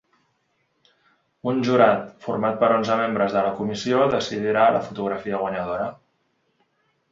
Un jurat format per onze membres de la comissió decidirà la fotografia guanyadora.